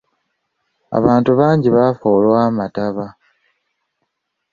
Abantu bangi abafa olw'amataba.